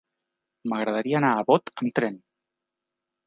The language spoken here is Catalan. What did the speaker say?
M'agradaria anar a Bot amb tren.